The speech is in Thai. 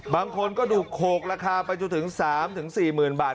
บางคนก็ดูโขกราคาไปจนถึง๓๔๐๐๐บาท